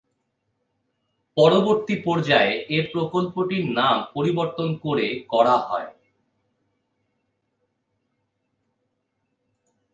পরবর্তী পর্যায়ে এ প্রকল্পটির নাম পরিবর্তন করে = করা হয়।